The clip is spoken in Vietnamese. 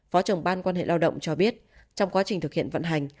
phó trưởng ban quan hệ lao động cho biết trong quá trình thực hiện vận hành